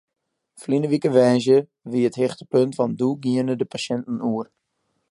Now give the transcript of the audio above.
Ferline wike woansdei wie it hichtepunt want doe gienen de pasjinten oer.